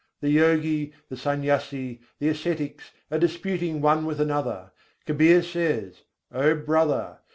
The Yogi, the Sanyasi, the Ascetics, are disputing one with another: Kabîr says, "O brother!